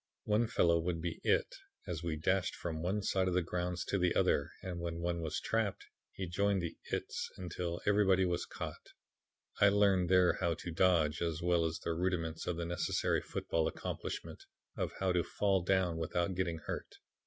One fellow would be 'it' as we dashed from one side of the grounds to the other and when one was trapped he joined the 'its,' until everybody was caught. I learned there how to dodge, as well as the rudiments of the necessary football accomplishment of how to fall down without getting hurt.